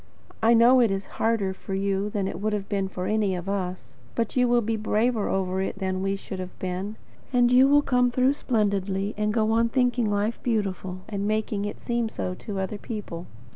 I know it is harder for you than it would have been for any of us; but you will be braver over it than we should have been, and you will come through splendidly, and go on thinking life beautiful, and making it seem so to other people.